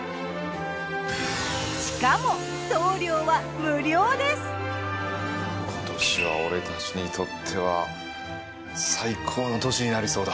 しかも今年は俺たちにとっては最高の年になりそうだ。